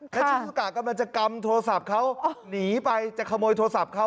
แล้วช่วงสกะกำลังจะกำโทรศัพท์เขาหนีไปจะขโมยโทรศัพท์เขา